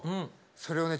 それをね